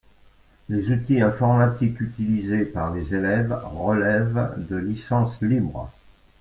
Les outils informatiques utilisés par les élèves relèvent de licences libres.